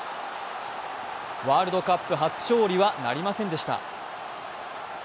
ワールドカップ初勝利はなりませんでした。